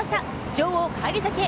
女王返り咲きへ！